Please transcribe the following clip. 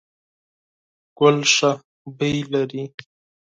ګل ښه بوی لري ….